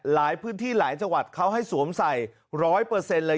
หลายพื้นที่หลายจังหวัดเขาให้สวมใส่ร้อยเปอร์เซ็นต์เลย